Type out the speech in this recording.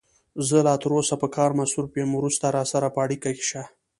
زه لا تر اوسه په کار مصروف یم، وروسته راسره په اړیکه کې شه.